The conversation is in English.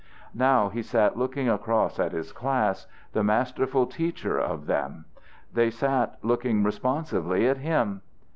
Now he sat looking across at his class, the masterful teacher of them. They sat looking responsively at him.